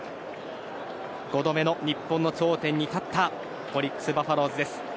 ５度目の日本の頂点に立ったオリックス・バファローズです。